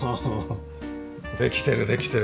できてるできてる！